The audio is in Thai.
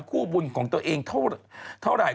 คู่บุญของตัวเองเท่าไหร่